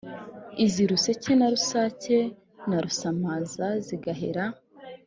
iz’i ruseke na rusake na rusamaza zigahera